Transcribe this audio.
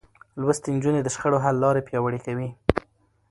لوستې نجونې د شخړو حل لارې پياوړې کوي.